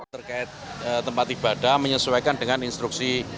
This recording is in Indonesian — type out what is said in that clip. terkait tempat ibadah menyesuaikan dengan instruksi